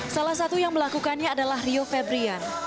salah satu yang melakukannya adalah rio febrian